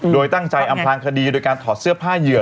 โดยตั้งใจอำพลางคดีโดยการถอดเสื้อผ้าเหยื่อ